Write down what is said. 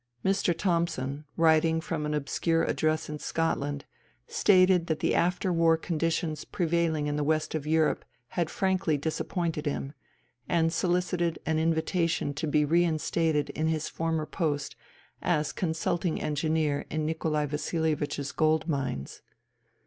Mr. Thomson, writing from an obscure address in Scotland, stated that the after war conditions prevaiHng in the west of Europe had frankly disappointed him, and solicited an invitation to be reinstated in his former post as consulting engineer in Nikolai Vasilievich's gold mines.